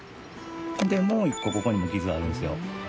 でもう１個ここにも傷があるんですよ。